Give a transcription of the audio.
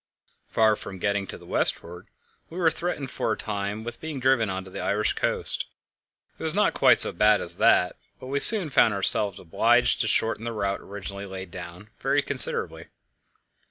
Far from getting to the westward, we were threatened for a time with being driven on to the Irish coast. It was not quite so bad as that, but we soon found ourselves obliged to shorten the route originally laid down very considerably.